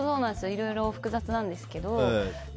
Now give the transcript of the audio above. いろいろ複雑なんですけど。